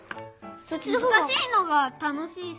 むずかしいのがたのしいし。